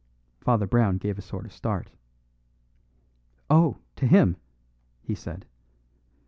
Father Brown gave a sort of start. "Oh! to him," he said.